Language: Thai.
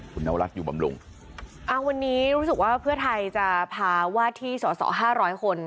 คุณนวรัฐอยู่บำรุงอ่าวันนี้รู้สึกว่าเพื่อไทยจะพาว่าที่สอสอห้าร้อยคน